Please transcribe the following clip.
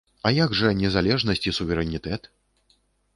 А як жа незалежнасць і суверэнітэт?